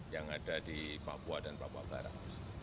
yang ada di papua dan papua barat